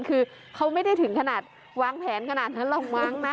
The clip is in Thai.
คือเขาไม่ได้ถึงขนาดวางแผนขนาดนั้นลองวางนะ